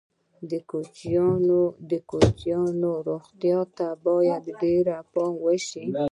د کوچنیانو روغتیا ته باید ډېر پام وشي.